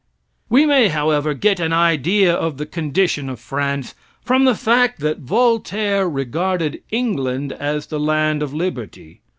We may, however, get an idea of the condition of France from the fact that Voltaire regarded England as the land of liberty.